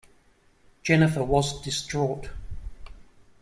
Jennifer was distraught.